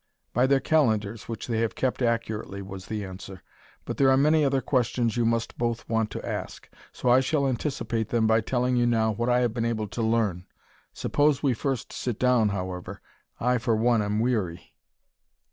"By their calendars, which they have kept accurately," was the answer. "But there are many other questions you must both want to ask, so I shall anticipate them by telling you now what I have been able to learn. Suppose we first sit down, however. I for one am weary."